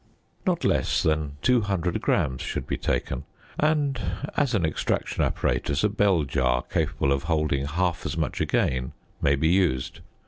Not less than 200 grams should be taken; and as an extraction apparatus a bell jar capable of holding half as much again may be used.